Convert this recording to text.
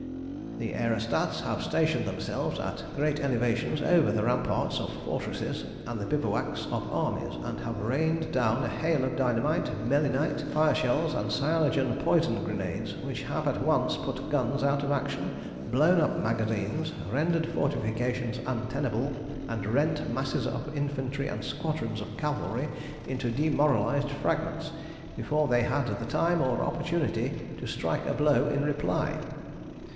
"The aerostats have stationed themselves at great elevations over the ramparts of fortresses and the bivouacs of armies, and have rained down a hail of dynamite, melinite, fire shells and cyanogen poison grenades, which have at once put guns out of action, blown up magazines, rendered fortifications untenable, and rent masses of infantry and squadrons of cavalry into demoralised fragments, before they had the time or the opportunity to strike a blow in reply.